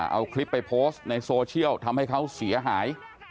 เอาคลิปไปโพสต์ในโซเชียลทำให้เขาเสียหาย